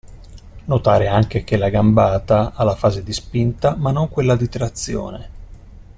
Notare anche che la gambata ha la fase di spinta, ma non quella di trazione.